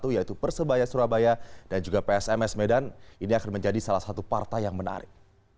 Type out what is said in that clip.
yaitu persebaya surabaya dan juga psms medan ini akan menjadi salah satu partai yang menarik